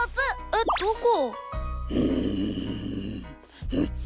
えっどこ？